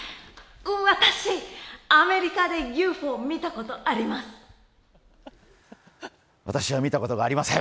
私、アメリカでＵＦＯ見たことがあります。